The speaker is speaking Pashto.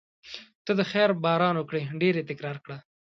ته د خیر باران وکړې ډېر یې تکرار کړه.